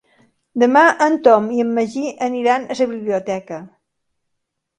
Demà en Tom i en Magí aniran a la biblioteca.